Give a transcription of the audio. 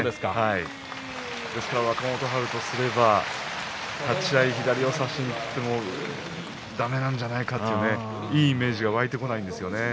ですから若元春とすれば立ち合い左を差しにいってもだめなんじゃないかなというのでいいイメージが湧いてこないですよね。